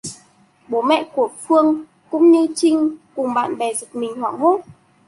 Bố mẹ của Pương cũng như Trinh cùng bạn bè giật mình hốt hoảng